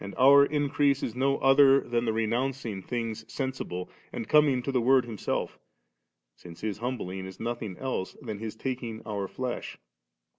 And our increase is no other than the re nouncing things sensible, and coming to the Word Himself; since His humbling is nothing else than His taking our flesh.